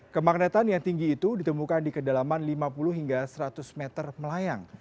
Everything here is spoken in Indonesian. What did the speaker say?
kemagnetan yang tinggi itu ditemukan di kedalaman lima puluh hingga seratus meter melayang